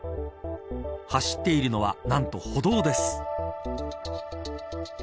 走っているのは、何と歩道です。